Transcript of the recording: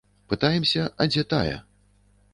Пытаемся, а дзе тая.